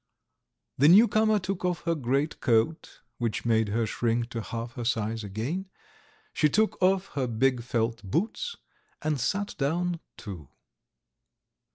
... The newcomer took off her great coat, which made her shrink to half her size again, she took off her big felt boots, and sat down, too.